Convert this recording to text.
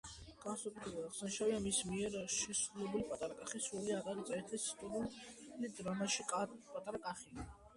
განსაკუთრებით აღსანიშნავია მის მიერ შესრულებული პატარა კახის როლი აკაკი წერეთლის ისტორიულ დრამაში „პატარა კახი“.